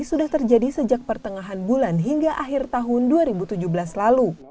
sudah terjadi sejak pertengahan bulan hingga akhir tahun dua ribu tujuh belas lalu